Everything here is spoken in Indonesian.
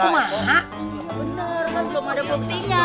bener mas belum ada buktinya